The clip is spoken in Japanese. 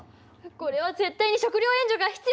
これは絶対に食料援助が必要です。